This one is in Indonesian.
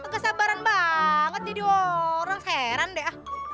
ke sabaran banget jadi orang heran deh ah